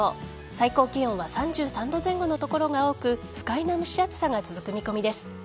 最高気温は３３度前後の所が多く不快な蒸し暑さが続く見込みです。